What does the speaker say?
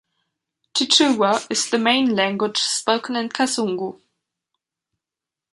Chichewa is the main language spoken in Kasungu.